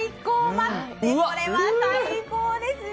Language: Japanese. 待って、これは最高ですよ。